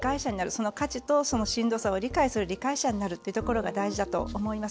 その価値としんどさを理解する理解者になるというところが大事だと思います。